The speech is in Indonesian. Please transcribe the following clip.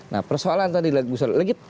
nah persoalan tadi lagi